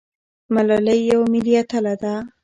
ملالۍ یوه ملي اتله ده.